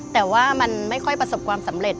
แต่ว่ามันไม่ค่อยประสบความสำเร็จ